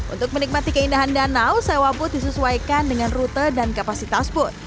untuk menikmati keindahan danau sewa boot disesuaikan dengan rute dan kapasitas booth